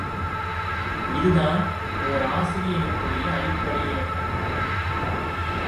இதுதான் ஓர் ஆசிரியனுக்குரிய அடிப்படை இலக்கணம்.